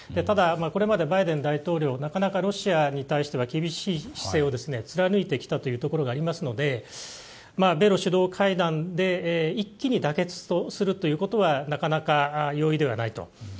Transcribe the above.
ただこれまでバイデン大統領はなかなかロシアに対しては厳しい姿勢を貫いてきたところがありますので米露首脳会談で一気に妥結をするということはなかなか容易ではないと。